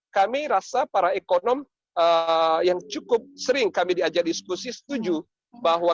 kami rasa para ekonom yang cukup sering kami diajak diskusi setuju bahwa